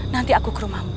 nanti aku ke rumahmu